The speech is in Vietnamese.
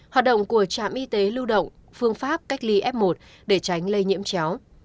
hoạt động của trạm y tế lưu động phương pháp cách ly f một để tránh lây nhiễm chéo